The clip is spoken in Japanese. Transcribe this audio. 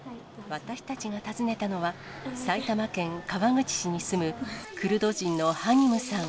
私たちが訪ねたのは、埼玉県川口市に住む、クルド人のハニムさん。